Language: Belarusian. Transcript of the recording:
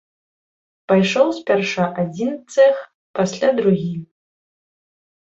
Пайшоў спярша адзін цэх, пасля другі.